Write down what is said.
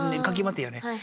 描きますよね。